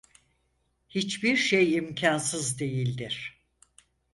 Hiçbir şey imkansız değildir.